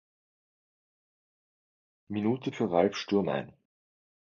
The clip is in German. Minute für Ralf Sturm ein.